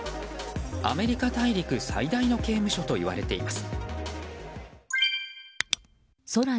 アメリカ大陸最大の刑務所といわれています。